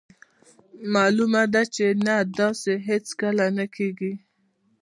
مالومه ده چې نه داسې هیڅکله نه کیږي.